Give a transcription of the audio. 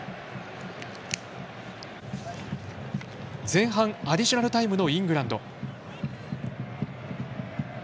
前半アディショナルタイムイングランド。